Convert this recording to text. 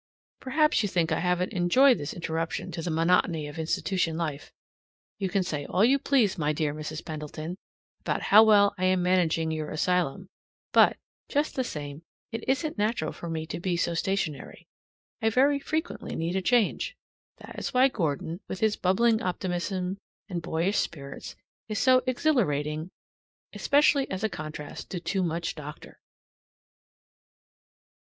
Perhaps you think I haven't enjoyed this interruption to the monotony of institution life! You can say all you please, my dear Mrs. Pendleton, about how well I am managing your asylum, but, just the same, it isn't natural for me to be so stationary. I very frequently need a change. That is why Gordon, with his bubbling optimism and boyish spirits, is so exhilarating especially as a contrast to too much doctor.